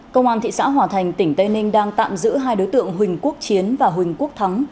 công an thị xã hòa thành tỉnh tây ninh đang tạm giữ hai đối tượng huỳnh quốc chiến và huỳnh quốc thắng